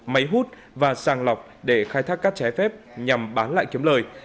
máy hút và sàng lọc để khai thác cát trái phép nhằm bán lại kiếm lời